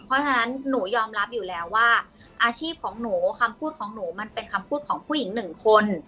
เพราะฉะนั้นหนูยอมรับอยู่แล้วว่าอาชีพของหนูคำพูดของหนูมันเป็นคำพูดของผู้หญิงหนึ่งคน